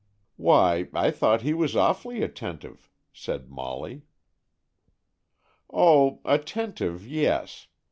"Why, I thought he was awfully attentive," said Molly. "Oh, attentive, yes.